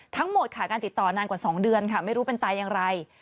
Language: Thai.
ทั้งหมดขาดการติดต่อนานกว่า๒เดือนค่ะไม่รู้เป็นตายอย่างไร